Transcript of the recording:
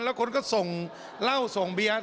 แล้วคนก็ส่งเหล้าส่งเบียร์